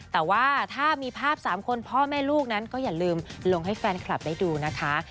แต่ว่าถ้ามีภาพ๓คนพ่อแม่ลูกนั้นก็อย่าลืมลงให้แฟนคลับได้ดูนะคะ